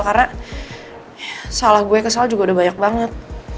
karena salah gue kesal juga udah banyak banget